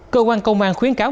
cơ quan công an khuyến cáo